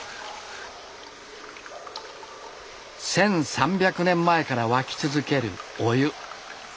１，３００年前から湧き続けるお湯。